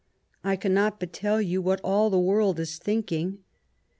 I cannot but tell you what all the world is thinking.